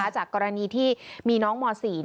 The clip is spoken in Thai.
จากกรณีที่มีน้องม๔